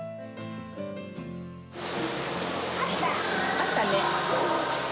あったね。